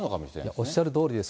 おっしゃるとおりです。